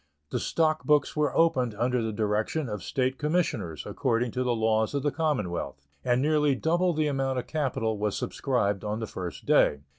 The stock books were opened under the direction of State Commissioners, according to the laws of the Commonwealth, and nearly double the amount of capital was subscribed on the first day.